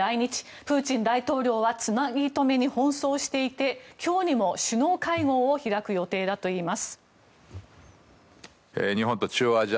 プーチン大統領はつなぎ止めに奔走していて今日にも首脳会合を開く予定だといいます。